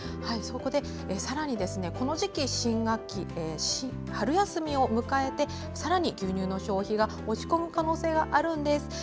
そこでさらにこの時期新学期、春休みを迎えてさらに牛乳の消費が落ち込む可能性があるんです。